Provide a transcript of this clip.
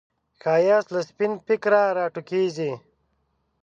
ښایست له سپین فکره راټوکېږي